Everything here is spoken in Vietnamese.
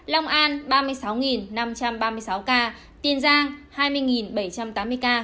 long an ba mươi sáu năm trăm ba mươi sáu ca tiên giang hai mươi bảy trăm tám mươi ca